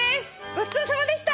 ごちそうさまでした！